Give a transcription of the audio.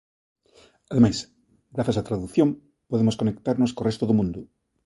Ademais, grazas á tradución, podemos conectarnos co resto do mundo.